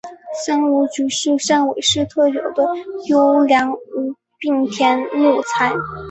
香炉桔是汕尾市特有的优良无病苗木材料。